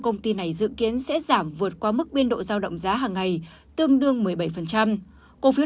công ty này dự kiến sẽ giảm vượt qua mức biên độ giao động giá hàng ngày tương đương một mươi bảy cổ phiếu